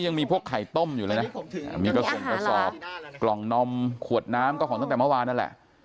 ยังมีพวกไข่ต้มอยู่เลยนะมีก็ส่งกระสอบกล่องนมขวดน้ำก็ของตั้งแต่เมื่อวานนั่นแหละ